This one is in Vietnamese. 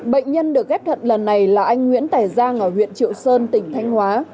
bệnh nhân được ghép thận lần này là anh nguyễn tài giang ở huyện triệu sơn tỉnh thanh hóa